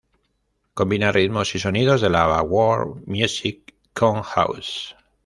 Combina ritmos y sonidos de la world music con house.